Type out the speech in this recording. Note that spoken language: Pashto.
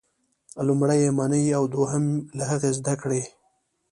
لومړی یې ومنئ او دوهم له هغې زده کړئ.